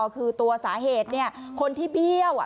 คือตัวสาเหตุคนที่เบี้ยว